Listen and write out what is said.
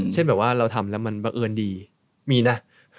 เช่นแบบว่าเราทำแล้วมันบังเอิญดีมีนะ